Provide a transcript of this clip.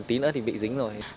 tí nữa thì bị dính rồi